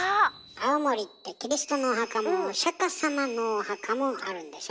青森ってキリストのお墓もお釈様のお墓もあるんでしょ？